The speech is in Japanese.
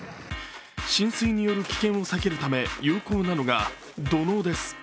浸水による危険を避けるため有効なのが土のうです。